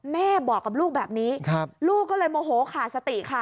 แม่บอกกับลูกแบบนี้ลูกก็เลยโมโหขาดสติค่ะ